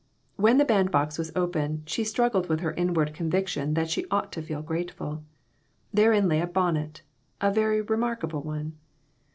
When the bandbox was opened, she struggled with her , inward conviction that she ought to feel grate ful. Therein lay a bonnet a very remarkable one.